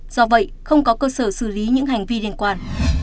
do vậy không có cơ sở xử lý những hành vi liên quan